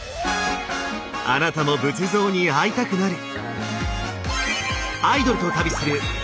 あなたも仏像に会いたくなる！